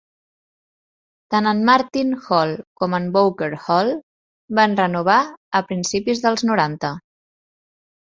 Tant en Martin Hall com en Bowker Hall van renovar a principis dels noranta.